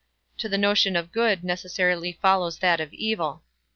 To the notion of good necessarily follows that of evil.